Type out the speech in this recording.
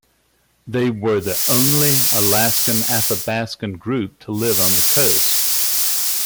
They were the only Alaskan Athabaskan group to live on the coast.